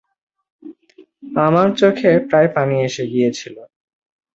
আমার চোখে প্রায় পানি এসে গিয়েছিল।